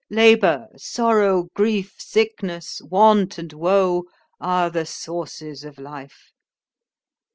——"Labour, sorrow, grief, sickness, want, and woe, are the sauces of life."